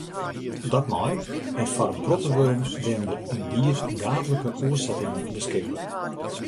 Dat mei, en foar in protte wurden binne der yndied gaadlike oersettingen beskikber.